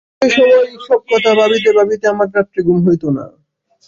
জ্বরের সময় এই-সব কথা ভাবিতে ভাবিতে আমার রাত্রে ঘুম হইত না।